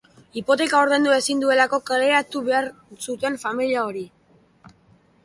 Hipoteka ordaindu ezin duelako kaleratu behar zuten familia hori.